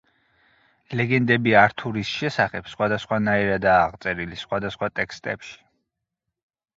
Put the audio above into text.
ლეგენდები ართურის შესახებ სხვადასხვანაირადაა აღწერილი სხვადასხვა ტექსტებში.